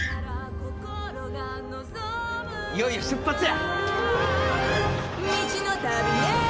いよいよ出発や！